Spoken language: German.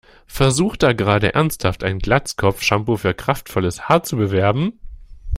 Versucht da gerade ernsthaft ein Glatzkopf, Shampoo für kraftvolles Haar zu bewerben?